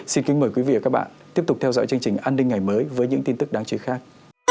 xin kính mời quý vị và các bạn tiếp tục theo dõi chương trình an ninh ngày mới với những tin tức đáng chú ý khác